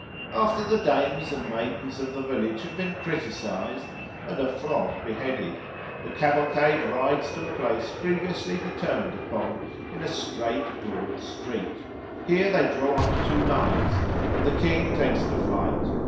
After the dames and maidens of the village have been criticised and a frog beheaded, the cavalcade rides to a place previously determined upon, in a straight, broad street. Here they draw up in two lines and the King takes to flight.